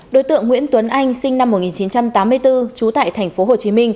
đối tượng nguyễn tuấn anh sinh năm một nghìn chín trăm tám mươi bốn trú tại tp hcm